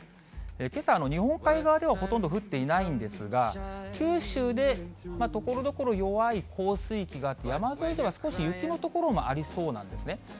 けさ、日本海側ではほとんど降っていないんですが、九州でところどころ弱い降水域があって、山沿いでは少し雪の所もありそうなんですね。